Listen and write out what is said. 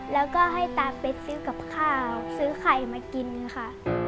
แล้วก็ให้ตาเป๊กซื้อกับข้าวซื้อไข่มากินค่ะ